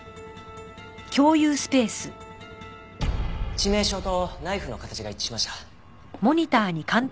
致命傷とナイフの形が一致しました。